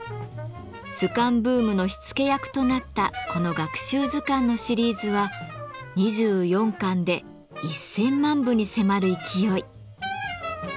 図鑑ブームの火付け役となったこの学習図鑑のシリーズは２４巻で１，０００万部に迫る勢い。